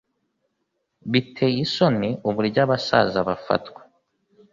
Biteye isoni uburyo abasaza bafatwa.